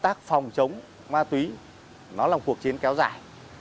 tác phòng chống ma túy nó là một cuộc chiến kéo dài